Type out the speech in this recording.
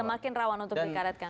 semakin rawan untuk dikaretkan